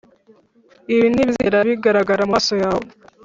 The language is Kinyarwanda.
ibi ntibizigera bigaragara mumaso yawe.